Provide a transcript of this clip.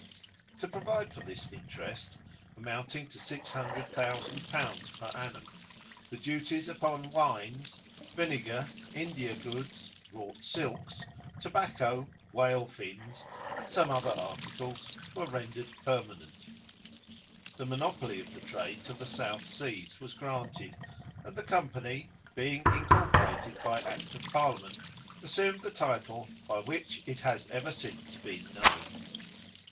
To provide for this interest, amounting to 600,000l. per annum, the duties upon wines, vinegar, India goods, wrought silks, tobacco, whale fins, and some other articles, were rendered permanent. The monopoly of the trade to the South Seas was granted, and the company, being incorporated by act of parliament, assumed the title by which it has ever since been known.